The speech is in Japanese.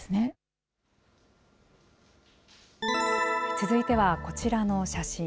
続いてはこちらの写真。